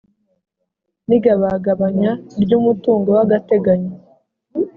n igabagabanya ry umutungo w agateganyo